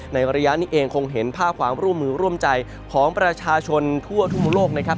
ในระยะนี้เองคงเห็นภาพความร่วมมือร่วมใจของประชาชนทั่วทุกมุมโลกนะครับ